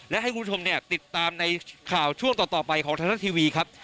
และให้คุณผู้ชมเนี่ยติดตามในข่าวช่วงต่อไปของไทยรัฐทีวีครับ